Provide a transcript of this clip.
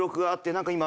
何か今。